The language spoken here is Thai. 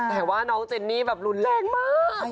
แต่ว่าน้องเจนนี่แบบรุนแรงมาก